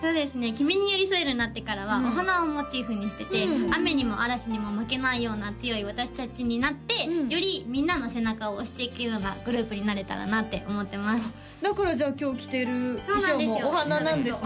きみにＹＯＲＩＳＯＥＲＵになってからはお花をモチーフにしてて雨にも嵐にも負けないような強い私達になってよりみんなの背中を押していくようなグループになれたらなって思ってますだからじゃあ今日着てる衣装もお花なんですね